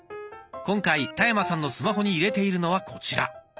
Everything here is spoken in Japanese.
今回田山さんのスマホに入れているのはこちら。